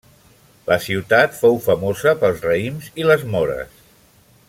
La ciutat fou famosa pels raïms i les mores.